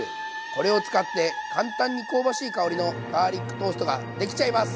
これを使って簡単に香ばしい香りのガーリックトーストができちゃいます。